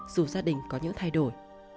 dù gia đình có những thay đổi